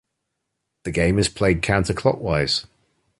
The game is played counter clockwise.